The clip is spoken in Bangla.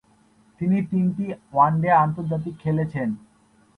তিনি তিনটি ওয়ানডে আন্তর্জাতিক খেলেছেন।